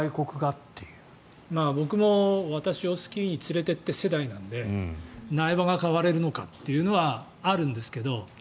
僕も「私をスキーに連れてって」世代なので苗場が買われるのかというのはあるんですが。